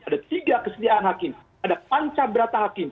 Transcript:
ada tiga kesediaan hakim ada pancah berata hakim